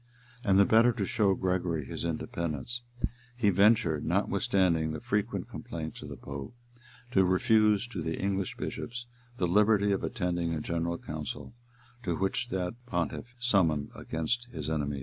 [] And the better to show Gregory his independence, he ventured, notwithstanding the frequent complaints of the pope, to refuse to the English bishops the liberty of attending a general council, which that pontiff had summoned against his enemies.